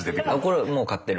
これもう買ってる？